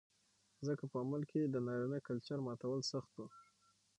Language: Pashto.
ځکه په عمل کې د نارينه کلچر ماتول سخت و